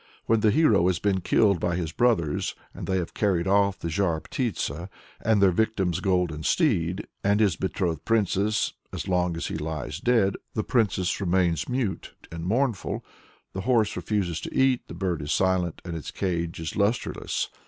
When the hero has been killed by his brothers, and they have carried off the Zhar Ptitsa, and their victim's golden steed, and his betrothed princess as long as he lies dead, the princess remains mute and mournful, the horse refuses to eat, the bird is silent, and its cage is lustreless.